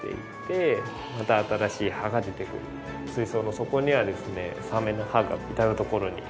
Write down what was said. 水槽の底にはですねサメの歯が至る所に。